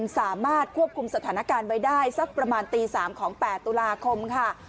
สามารถควบคุมสถานการณ์ไว้ได้สักประมาณตี๓ของ๘ตุลาคมค่ะ